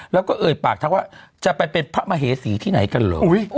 แล้วก็เอ่ยปากทักว่าจะไปเป็นพระมเหสีที่ไหนกันเหรอ